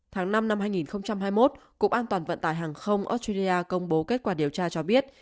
tháng năm năm hai nghìn hai mươi một cục an toàn vận tải hàng không australia công bố kết quả điều tra cho biết